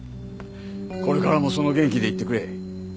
これからもその元気でいってくれ。